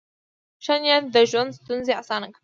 ښه نیت د ژوند ستونزې اسانه کوي.